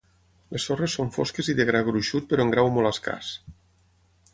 Les sorres són fosques i de gra gruixut però en grau molt escàs.